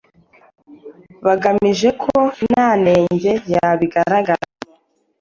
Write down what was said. bagamije ko nta nenge yabigaragaramo